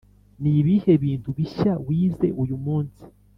ni ibihe bintu bishya wize uyu munsi